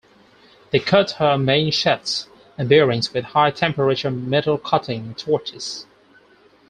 They cut her main shafts and bearings with high temperature metal cutting torches.